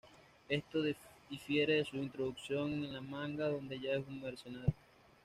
Esto difiere de su introducción en el manga, donde ya es un mercenario.